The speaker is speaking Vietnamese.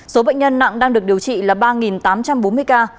số bệnh nhân nặng đang được điều trị là ba tám trăm bốn mươi ca